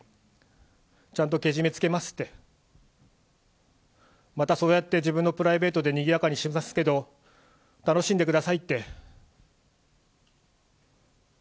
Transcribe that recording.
ちゃんとけじめつけますって、またそうやって自分のプライベートでにぎやかにしますけど、楽しんでくださいって。